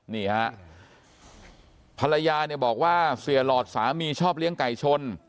นี่ฮะภรรยาเนี่ยบอกว่าเสียหลอดสามีชอบเลี้ยงไก่ชน